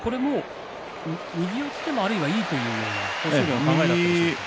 右四つでもあるいはいいという豊昇龍の考えだったんでしょうか。